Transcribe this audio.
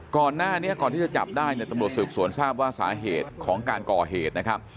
ก่อนหน้านี้ก่อนที่จะจับได้เนี่ยตำรวจสืบสวนทราบว่าสาเหตุของการก่อเหตุนะครับ